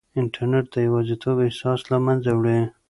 انټرنیټ د یوازیتوب احساس له منځه وړي.